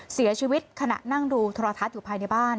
เสียชีวิตขณะนั่งดูโทรทัศน์อยู่ภายในบ้าน